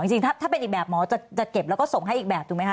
จริงถ้าเป็นอีกแบบหมอจะเก็บแล้วก็ส่งให้อีกแบบถูกไหมค